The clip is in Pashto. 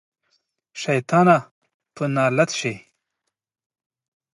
شيطانه په نالت شې.